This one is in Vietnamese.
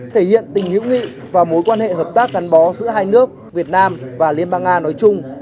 thể hiện tình hữu nghị và mối quan hệ hợp tác gắn bó giữa hai nước việt nam và liên bang nga nói chung